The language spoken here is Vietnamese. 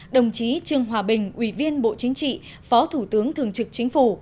đồng chí trương hòa bình ủy viên bộ chính trị phó thủ tướng thường trực chính phủ